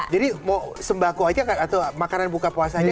jadi mau sembako aja atau makanan buka puasa aja